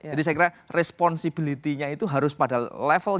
jadi saya kira responsibilitinya itu harus pada levelnya